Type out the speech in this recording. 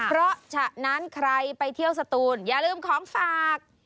เพราะฉะนั้นใครไปเที่ยวสตูนอย่าลืมของฝาก